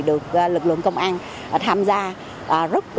được lực lượng công an tham gia